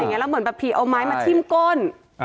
อ่าวเหมือนแบบผีเอาไม้มาที่มกล่น